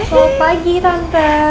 oh pagi tante